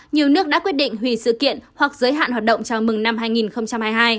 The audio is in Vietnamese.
nhiều nước đã quyết định hủy sự kiện hoặc giới hạn hoạt động chào mừng năm hai nghìn hai mươi hai